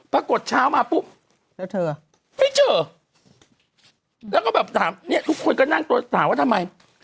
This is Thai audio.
เช้ามาปุ๊บแล้วเธอไม่เจอแล้วก็แบบถามเนี่ยทุกคนก็นั่งตัวถามว่าทำไม